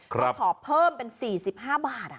ก็ขอเพิ่มเป็น๔๕บาท